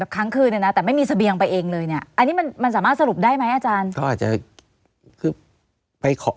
ก็คือไปหากลับข้าว